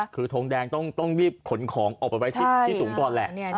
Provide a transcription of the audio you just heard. คือทงแดงต้องรีบขนของออกไปไว้ที่สูงก่อนแหละ